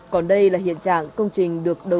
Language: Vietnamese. còn đây là hiện trạng công trình được đầu tư